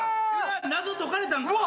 謎解かれたんか。